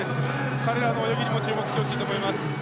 彼らの泳ぎにも注目してほしいと思います。